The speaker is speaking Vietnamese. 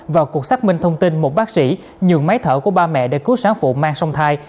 vào cuộc xác minh thông tin một bác sĩ nhường máy thở của ba mẹ để cứu sáng phụ mang sông thai